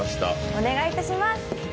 ・お願いいたします。